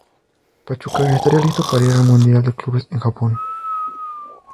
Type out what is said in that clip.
Pachuca estaría listo para ir al Mundial de Clubes en Japón.